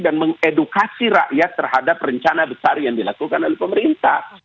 dan mengedukasi rakyat terhadap rencana besar yang dilakukan oleh pemerintah